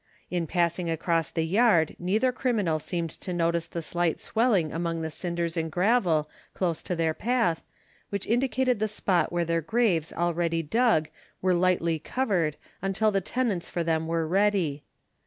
In passing across the yard neither criminal seemed to notice the slight swelling among the cinders and gravel close to their path, which indicated the spot where their graves already dug were lightly covered until the tenants for them were ready.